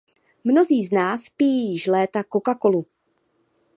Mnozí z nás pijí již léta Coca-Colu.